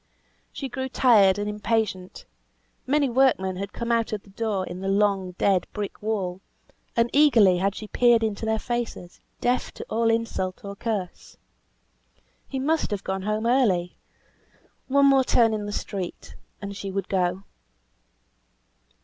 She grew tired and impatient; many workmen had come out of the door in the long, dead, brick wall, and eagerly had she peered into their faces, deaf to all insult or curse. He must have gone home early; one more turn in the street, and she would go.